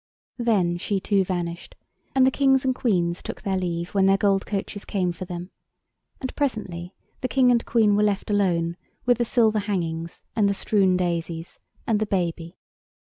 Then she too vanished; and the Kings and Queens took their leave when their gold coaches came for them. And presently the King and Queen were left alone with the silver hangings and the strewn daisies and the baby.